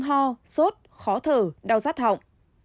ho sốt khó thở đau rát họng